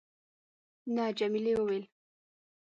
نه. جميلې وويل:.